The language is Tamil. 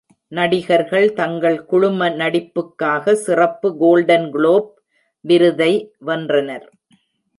நடிகர்கள் தங்கள் குழும நடிப்புக்காக சிறப்பு கோல்டன் குளோப் விருதை வென்றனர்.